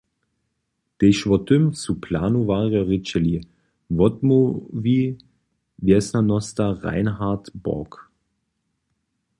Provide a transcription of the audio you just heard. Tež wo tym su planowarjo rěčeli, wotmołwi wjesnjanosta Reinhard Bork.